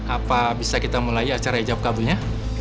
apa bisa kita mulai acara hijab kabunya